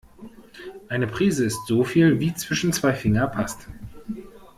Eine Prise ist so viel, wie zwischen zwei Finger passt.